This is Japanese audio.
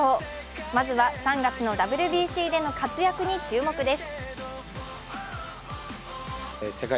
まずは、３月のＷＢＣでの活躍に注目です。